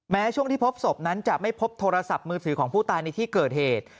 ช่วงที่พบศพนั้นจะไม่พบโทรศัพท์มือถือของผู้ตายในที่เกิดเหตุ